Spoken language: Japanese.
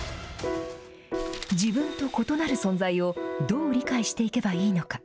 自分と異なる存在を、どう理解していけばいいのか。